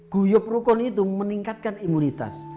guyop rukon itu meningkatkan imunitas